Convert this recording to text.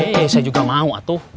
oke saya juga mau atuh